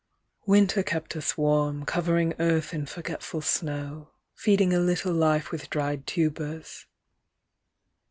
Winter kept us warm, covering Earth in forgetful snow, feeding A little life with dried tubers.